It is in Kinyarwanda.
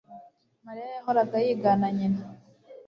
Mariya yahoraga yigana nyina